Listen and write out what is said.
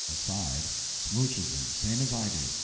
(Aside.) Smouches 'em, same as I do!